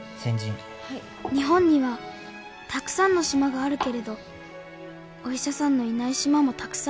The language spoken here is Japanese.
「日本にはたくさんの島があるけれどお医者さんのいない島もたくさんある。